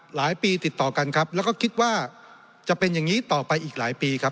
หลายปีติดต่อกันครับแล้วก็คิดว่าจะเป็นอย่างนี้ต่อไปอีกหลายปีครับ